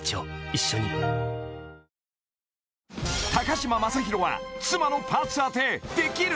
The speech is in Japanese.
嶋政宏は妻のパーツ当てできる？